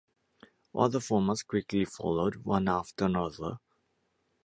Other formats quickly followed, one after another.